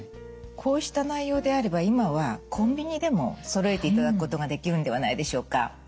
こうした内容であれば今はコンビニでもそろえていただくことができるんではないでしょうか。